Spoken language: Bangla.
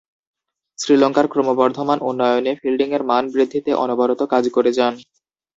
শ্রীলঙ্কার ক্রমবর্ধমান উন্নয়নে ফিল্ডিংয়ের মান বৃদ্ধিতে অনবরত কাজ করে যান।